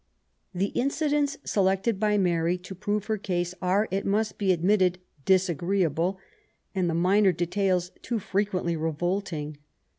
The incidents selected by Mary to prove her case are^ it must be admitted^ disagreeable^ and the minor details too frequently revolting.